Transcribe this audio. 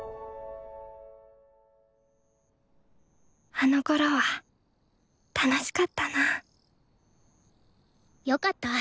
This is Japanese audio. あのころは楽しかったなぁよかった。